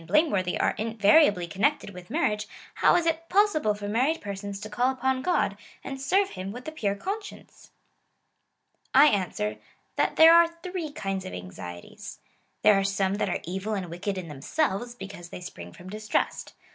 261 blameworthy are invariably connected with marriage, how is it possible for married persons to call upon God, and serve him, with a pure conscience V I answer, that there are three kinds of anxieties. There are some that are evil and wicked in themselves, because they spring from distrust.